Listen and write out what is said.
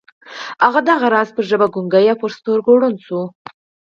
هغه دغه راز پر ژبه ګونګۍ او پر سترګو ړنده شوه